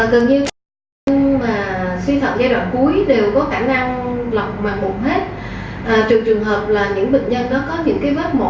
cần như bệnh nhân suy thận giai đoạn cuối đều có khả năng lọc mạng bụng hết